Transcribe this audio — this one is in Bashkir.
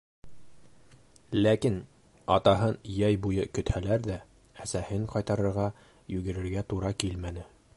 Ләкин атаһын йәй буйы көтһәләр ҙә, әсәһен ҡайтарырға йүгерергә тура килмәне.